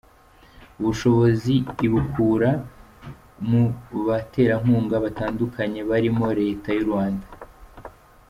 Ubushobozi ibukura mu baterankunga batandukanye barimo na Leta y’ u Rwanda.